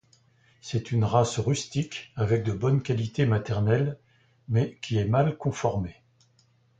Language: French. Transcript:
C'est une race rustique avec de bonnes qualités maternelles mais qui est mal conformée.